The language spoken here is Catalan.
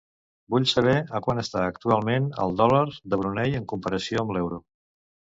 Vull saber a quant està actualment el dòlar de Brunei en comparació amb l'euro.